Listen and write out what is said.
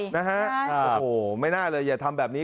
นะฮะโอ้โหไม่น่าเลยอย่าทำแบบนี้